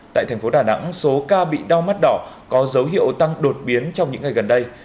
tại thành phố đà nẵng số ca bị đau mắt đỏ có dấu hiệu tăng đột biến trong những ngày gần đây